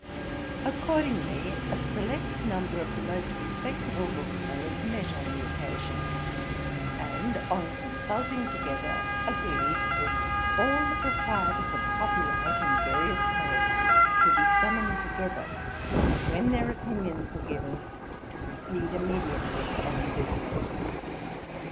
'Accordingly a select number of the most respectable booksellers met on the occasion; and, on consulting together, agreed, that all the proprietors of copy right in the various Poets should be summoned together; and when their opinions were given, to proceed immediately on the business.